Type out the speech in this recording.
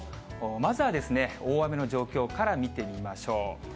まずは大雨の状況から見てみましょう。